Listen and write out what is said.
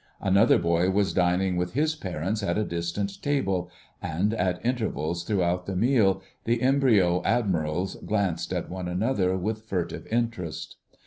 Another boy was dining with his parents at a distant table, and at intervals throughout the meal the embryo admirals glanced at one another with furtive interest.